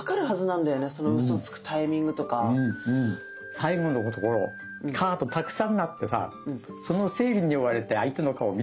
最後のところカードたくさんなってさその整理に追われて相手の顔を見てなかったの。